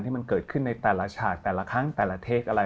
ที่มันเกิดขึ้นในแต่ละฉากแต่ละครั้งแต่ละเทคอะไร